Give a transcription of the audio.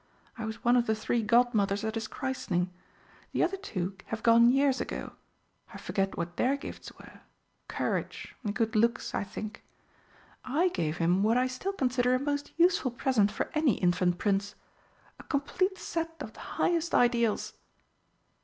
I was one of the three Godmothers at his christening the other two have gone years ago I forget what their gifts were Courage and Good looks, I think. I gave him what I still consider a most useful present for any infant prince a complete set of the highest ideals."